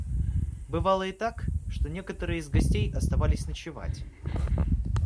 Бывало и так, что некоторые из гостей оставались ночевать.